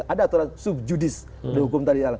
ada aturan subjudis dari hukum tadi